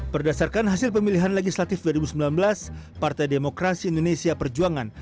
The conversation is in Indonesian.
berdasarkan hasil pemilihan legislatif dua ribu sembilan belas partai demokrasi indonesia perjuangan